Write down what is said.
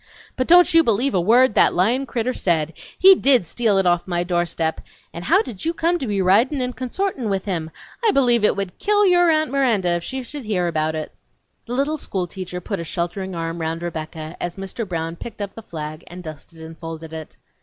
"But don't you believe a word that lyin' critter said! He did steal it off my doorstep, and how did you come to be ridin' and consortin' with him! I believe it would kill your Aunt Miranda if she should hear about it!" The little school teacher put a sheltering arm round Rebecca as Mr. Brown picked up the flag and dusted and folded it.